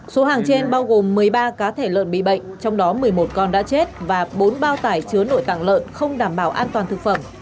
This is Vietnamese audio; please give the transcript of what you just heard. số hàng trên bao gồm một mươi ba cá thể lợn bị bệnh trong đó một mươi một con đã chết và bốn bao tải chứa nổi cạng lợn không đảm bảo an toàn thực phẩm